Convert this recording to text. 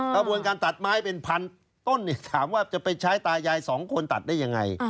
กระบวนการตัดไม้เป็นพันต้นถามว่าจะไปใช้ตายายสองคนตัดได้ยังไง